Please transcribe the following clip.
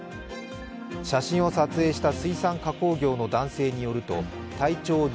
写真を撮影した水産加工業の男性によると体長